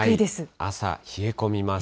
朝、冷え込みます。